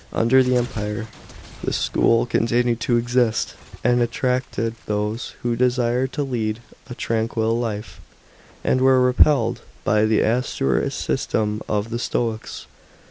Under the Empire the school continued to exist, and attracted those who desired to lead a tranquil life, and were repelled by the austerer system of the Stoics.